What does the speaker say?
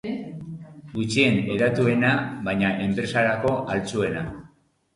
Gutxien hedatuena baina enpresarako ahaltsuena.